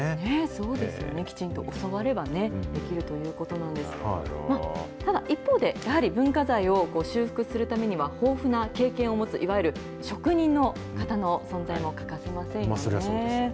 そうですよね、きちんと教わればね、できるということなんですけど、ただ一方で、やはり文化財を修復するためには、豊富な経験を持つ、いわゆる職人の方の存在も欠かせませんよね。